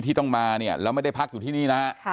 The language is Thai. ที่ต้องมาและไม่ได้พักอยู่ที่นี่นะ